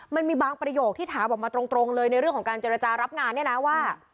มันมีบางประโยคที่ถามออกมาตรงเลยในเรื่องของการเจรจารับงานเนี่ยนะว่า